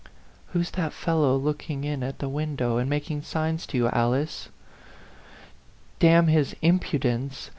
"Who's that fellow looking in at the window, and making signs to you, Alice? D n his impudence!"